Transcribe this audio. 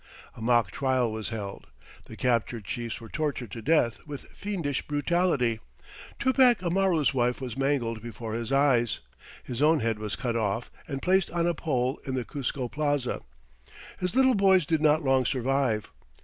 A mock trial was held. The captured chiefs were tortured to death with fiendish brutality. Tupac Amaru's wife was mangled before his eyes. His own head was cut off and placed on a pole in the Cuzco Plaza. His little boys did not long survive.